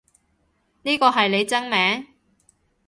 呢個係你真名？